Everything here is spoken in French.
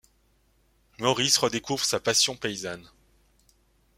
Maurice redécouvre sa passion paysanne.